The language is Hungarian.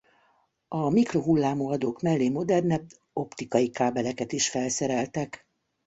A mikrohullámú adók mellé modernebb optikai kábeleket is felszereltek.